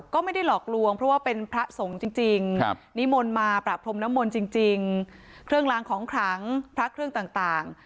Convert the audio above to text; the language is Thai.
ก็ไม่ได้หลอกลวงเพราะว่าเป็นพระสงฆ์จริงนิมนต์มาประพรมน้ำมนต์จริงเครื่องลางของขลังพระเครื่องต่าง